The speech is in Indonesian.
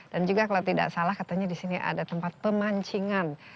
dan juga kalau tidak salah katanya di sini ada tempat pemancingan